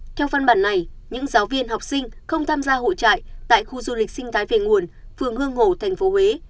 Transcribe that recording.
theo phân bản này những giáo viên học sinh không tham gia hội trại tại khu du lịch sinh thái về nguồn phường hương hồ thành phố huế